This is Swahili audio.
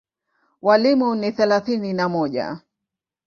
Walimu ni thelathini na mmoja.